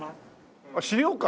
資料館？